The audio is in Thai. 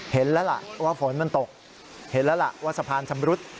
เห็นแล้วล่ะว่าฝนมันตกเห็นแล้วล่ะว่าสะพานชำรุด